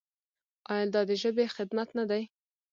آیا دا د ژبې خدمت نه دی؟